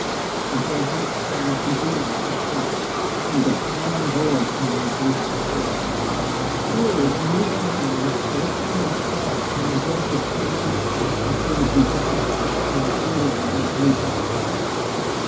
The Jesuits sang Te Deum at the church, and the cannon roared from the adjacent fort. Here the new governor was scarcely installed, when a Jesuit came in to ask if he would be godfather to an Indian about to be baptized.